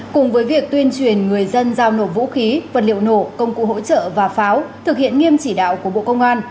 cùng với việc tuyên truyền người dân giao nổ vũ khí vật liệu nổ công cụ hỗ trợ và pháo thực hiện nghiêm chỉ đạo của bộ công an